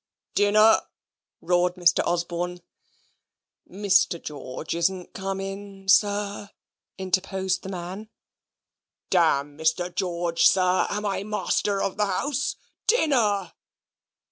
"Dinner!" roared Mr. Osborne. "Mr. George isn't come in, sir," interposed the man. "Damn Mr. George, sir. Am I master of the house? DINNER!"